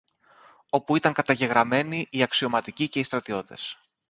όπου ήταν καταγραμμένοι οι αξιωματικοί και οι στρατιώτες.